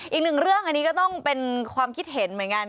อีกหนึ่งเรื่องอันนี้ก็ต้องเป็นความคิดเห็นเหมือนกัน